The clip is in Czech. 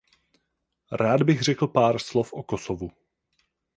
Rád bych řekl pár slov o Kosovu.